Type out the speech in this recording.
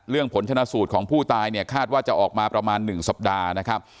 ผลชนะสูตรของผู้ตายเนี่ยคาดว่าจะออกมาประมาณ๑สัปดาห์นะครับ